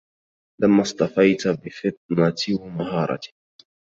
لما اصطفيت بفطنة ومهارة